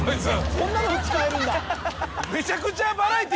そんなのも使えるんだ。